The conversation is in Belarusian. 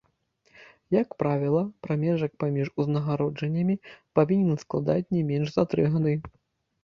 Як правіла, прамежак паміж узнагароджаннямі павінен складаць не менш за тры гады.